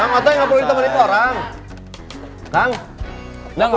mak mau dong